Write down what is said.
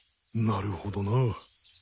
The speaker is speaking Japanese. なるほどな。